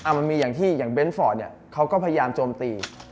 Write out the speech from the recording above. มันมีอย่างที่อย่างเน้นฟอร์ดเนี่ยเขาก็พยายามโจมตี